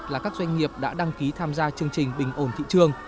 là các doanh nghiệp đã đăng ký tham gia chương trình bình ổn thị trường